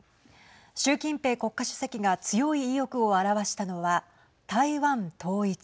習近平国家主席が強い意欲を表したのは台湾統一。